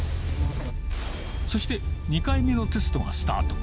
そして、２回目のテストがスタート。